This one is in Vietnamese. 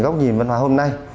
góc nhìn văn hóa hôm nay